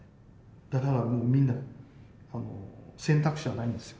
だからもうみんな選択肢はないんですよ。